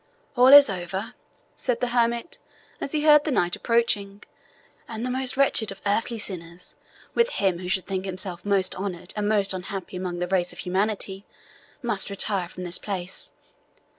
"All is over," said the hermit, as he heard the knight approaching, "and the most wretched of earthly sinners, with him who should think himself most honoured and most happy among the race of humanity, must retire from this place.